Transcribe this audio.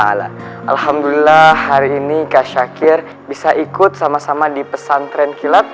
alhamdulillah hari ini kak syakir bisa ikut sama sama di pesantren kilat